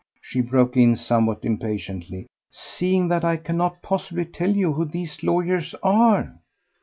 she broke in somewhat impatiently, "seeing that I cannot possibly tell you who these lawyers are?"